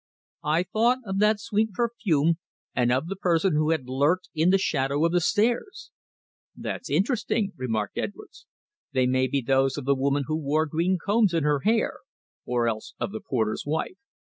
I thought of that sweet perfume, and of the person who had lurked in the shadow of the stairs! "That's interesting," remarked Edwards. "They may be those of the woman who wore green combs in her hair, or else of the porter's wife."